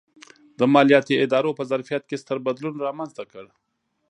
د مالیاتي ادارو په ظرفیت کې ستر بدلون رامنځته کړ.